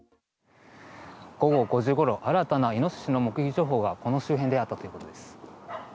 午後５時ごろ新たなイノシシの目撃情報がこの周辺であったということです。